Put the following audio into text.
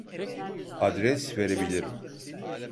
Adres verebilirim